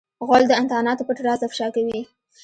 غول د انتاناتو پټ راز افشا کوي.